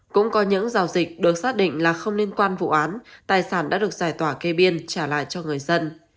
cũng có những giao dịch được xác định là không liên quan vụ án tài sản đã được giải tỏa kê biên trả lại cho người dân